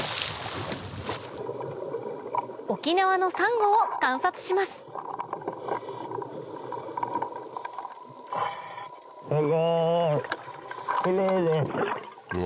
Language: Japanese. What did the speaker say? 沖縄のサンゴを観察しますすごい！